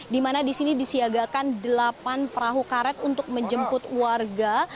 di mana di sini disiagakan delapan perahu karet untuk menjemput warga